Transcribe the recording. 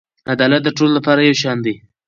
عدالت د ټولو لپاره یو شان دی.